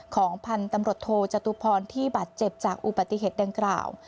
ของพันธุ์ตำรวจโทจตุพรที่บาดเจ็บจากอุบัติเหตุดังกล่าว